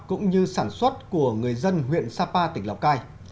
cũng như sản xuất của người dân huyện sapa tỉnh lào cai